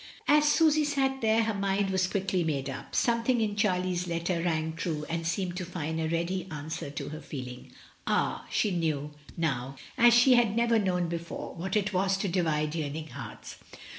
As Susy sat there her mind was quickly made up; something in Charlie's letter rang true and seemed to find a ready answer in her feeling. Ah! she knew now as she had never known before what it was to divide yearning hearts.